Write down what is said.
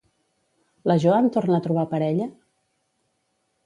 La Joan torna a trobar parella?